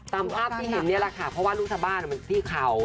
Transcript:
ตามภาพที่เห็นนี่แหละค่ะเพราะว่าลูกชาวบ้านมันที่เขา